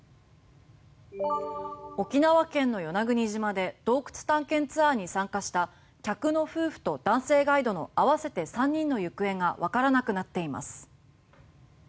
沖縄県の与那国島で洞窟探検ツアーに参加した客の夫婦と男性ガイドの合わせて３人の行方がわからなくなっています。